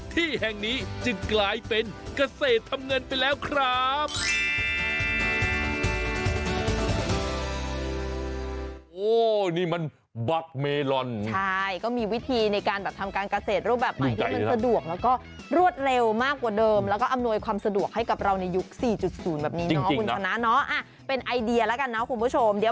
เติมอีกด้วยที่แห่งนี้จะกลายเป็นเกษตรทำเงินไปแล้วครับ